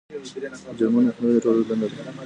د جرمونو مخنیوی د ټولو دنده ده.